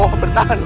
aku sudah berhenti